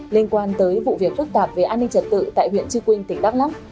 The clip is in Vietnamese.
liên quan tới vụ việc phức tạp về an ninh trật tự tại huyện chư quynh tỉnh đắk lắk